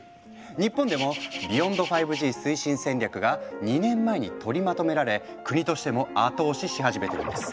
日本でもＢｅｙｏｎｄ５Ｇ推進戦略が２年前に取りまとめられ国としても後押しし始めているんです。